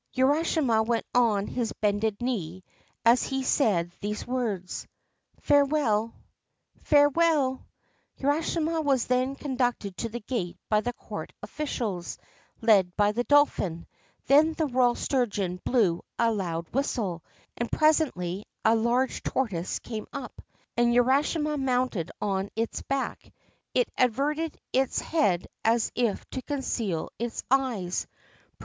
Urashima went on his bended knee as he said these words. ' Farewell I '' Farewell 1 ' Urashima was then conducted to the gate by the court officials, led by the dolphin. There the royal sturgeon blew a loud whistle, and presently a large tortoise came up. As Urashima mounted on its back, it averted its head as if to conceal its eyes.